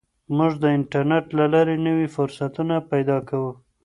موږ د انټرنیټ له لارې نوي فرصتونه پیدا کوو.